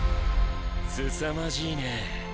すさまじいね。